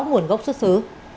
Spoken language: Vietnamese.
nguồn gốc xuất xứ